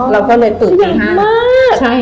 เราก็เลยตึกตัดตั้ง๕๕๕